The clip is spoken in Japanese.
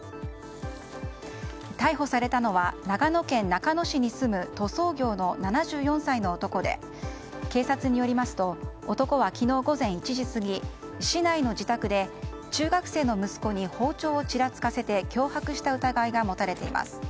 逮捕されたのは長野県中野市に住む塗装業の７４歳の男で警察によりますと男は昨日午前１時過ぎ市内の自宅で中学生の息子に包丁をちらつかせて脅迫した疑いが持たれています。